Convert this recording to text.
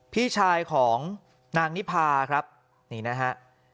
พี่ชายของนางนิพาครับนี่นะฮะ